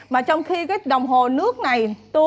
mà trong khi đồng hồ nước này